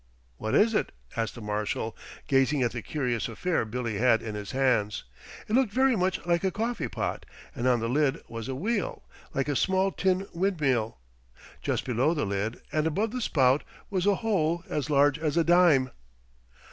"What is it?" asked the Marshal, gazing at the curious affair Billy had in his hands. It looked very much like a coffeepot, and on the lid was a wheel, like a small tin windmill. Just below the lid, and above the spout, was a hole as large as a dime.